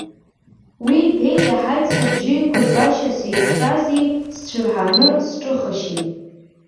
Уи ибеит-иаҳаит сыбжьы иқәыргашьа зеиԥшрази сцәырҳаны сҿыхашьеи.